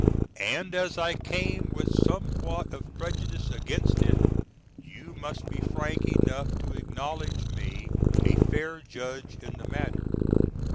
And as I came with somewhat of prejudice against it, you must be frank enough to acknowledge me a fair judge in the matter.